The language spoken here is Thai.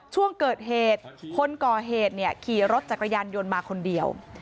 ช่วงเกิดเหตุคนก่อเหตุขี่รถจักรยานยนต์มาคนเดียว